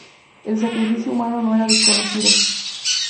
El sacrificio humano no era desconocido.